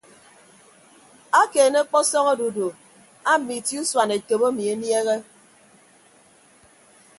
Akeene ọkpọsọñ odudu aamme itie usuan etop emi eniehe.